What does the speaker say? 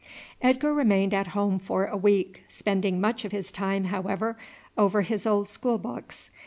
Edgar remained at home for a week, spending much of his time, however, over his old school books.